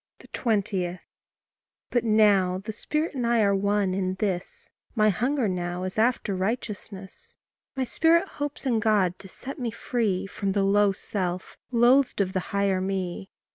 20. But now the Spirit and I are one in this My hunger now is after righteousness; My spirit hopes in God to set me free From the low self loathed of the higher me.